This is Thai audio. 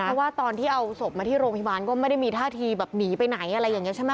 เพราะว่าตอนที่เอาศพมาที่โรงพยาบาลก็ไม่ได้มีท่าทีแบบหนีไปไหนอะไรอย่างนี้ใช่ไหม